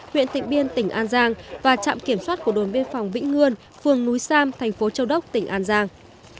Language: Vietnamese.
huyện tịnh biên tỉnh an giang và trạm kiểm soát của đồn biên phòng vĩnh ngươn phường núi sam thành phố châu đốc tỉnh an giang